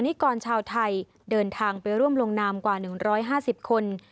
นิกรชาวไทยเดินทางไปร่วมลงนามกว่าหนึ่งร้อยห้าสิบคน